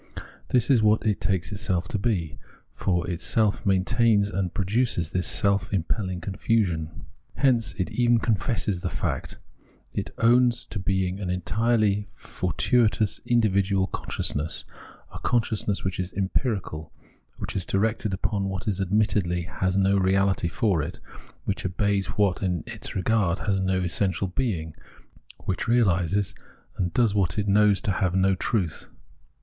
This is what it takes itself to be ; for itself maintains and produces this self impelhng confusion. Hence it even confesses the fact ; it owns to being an entirely fortuitous individual con sciousness — a consciousness which is empirical, which is directed upon what admittedly has no reahty for it, which obeys what, in its regard, has no essential being, which realises and does what it knows to have no truth.